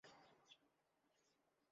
তুমি মরতে পারো না।